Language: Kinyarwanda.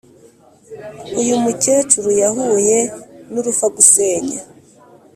uyu mukecuru yahuye n’uruva gusenya